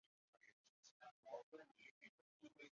芹菜作为蔬菜食用历史悠久。